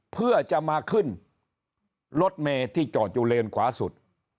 เพื่อจะมาขึ้นรถเมย์ที่จอดอยู่เลนขวาสุด